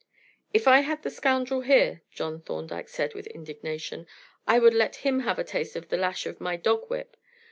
"If I had the scoundrel here," John Thorndyke said with indignation, "I would let him have a taste of the lash of my dog whip.